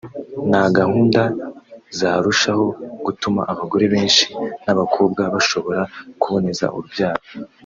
na gahunda zarushaho gutuma abagore benshi n’ abakobwa bashobora kuboneza urubyaro